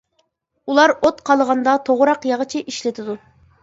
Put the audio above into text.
ئۇلار ئوت قالىغاندا توغراق ياغىچى ئىشلىتىدۇ.